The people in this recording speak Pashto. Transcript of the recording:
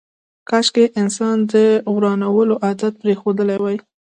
کاشکي انسان د ورانولو عادت پرېښودلی وای.